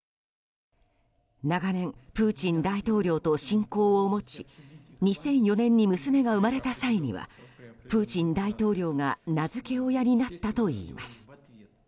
長年、プーチン大統領と親交を持ち２００４年に娘が生まれた際にはプーチン大統領が名付け親になったといいます。